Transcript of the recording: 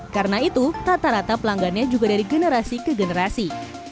karena itu tata rata pelanggannya juga dari generasi ke generasi